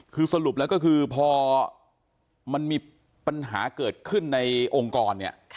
คือสรุปแล้วก็คือพอมันมีปัญหาเกิดขึ้นในองค์กรเนี่ย